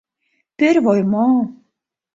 — Пӧрвӧй мо?